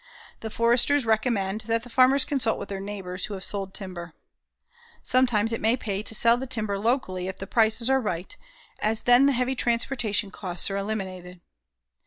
The foresters recommend that the farmers consult with their neighbors who have sold timber. Sometimes it may pay to sell the timber locally if the prices are right, as then the heavy transportation costs are eliminated.